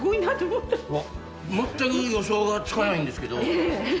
全く予想がつかないんですけど。